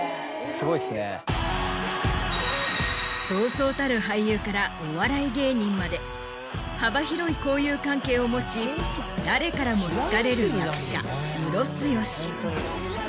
そうそうたる俳優からお笑い芸人まで幅広い交友関係を持ち誰からも好かれる役者ムロツヨシ。